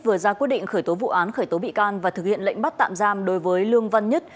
vừa ra quyết định khởi tố vụ án khởi tố bị can và thực hiện lệnh bắt tạm giam đối với lương văn nhất